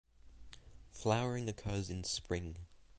Flowering occurs in spring.